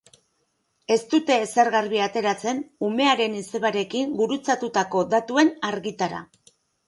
Ez dute ezer garbi ateratzen umearen izebarekin gurutzatutako datuen argitara.